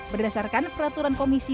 berdasarkan peraturan komisi